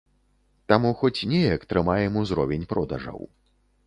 Таму хоць неяк трымаем узровень продажаў.